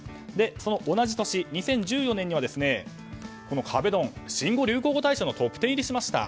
その同じ年、２０１４年には壁ドンが新語・流行語大賞にトップ１０入りしました。